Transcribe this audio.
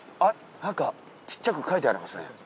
なんかちっちゃく書いてありますね。